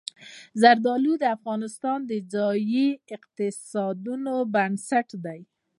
زردالو د افغانستان د ځایي اقتصادونو بنسټ دی.